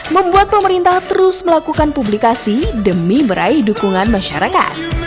membuat pemerintah terus melakukan publikasi demi meraih dukungan masyarakat